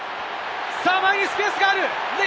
前にスペースがある！